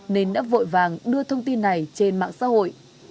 nên đã vội vàng đưa thông tin này trên mạng xã hội